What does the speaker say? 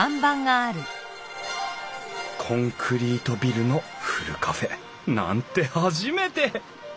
コンクリートビルのふるカフェなんて初めて！